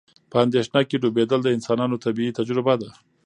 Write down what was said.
په اندېښنه کې ډوبېدل د انسانانو طبیعي تجربه ده.